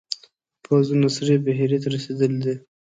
پوځونه سرې بحیرې ته رسېدلي دي.